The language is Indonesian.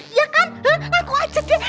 iya kan aku ajarin